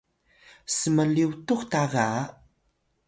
s’mlyutux ta ga